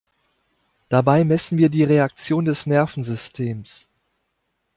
Dabei messen wir die Reaktion des Nervensystems.